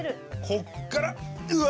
こっからうわっ！